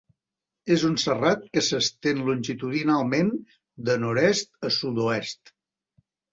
És un serrat que s'estén longitudinalment de nord-est a sud-oest.